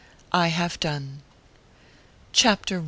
I have done. CHAPTER I.